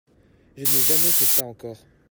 Je n'ai jamais fait ça encore.